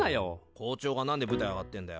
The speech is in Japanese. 校長がなんで舞台上がってんだよ！